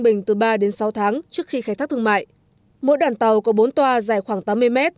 bình từ ba đến sáu tháng trước khi khai thác thương mại mỗi đoàn tàu có bốn toa dài khoảng tám mươi mét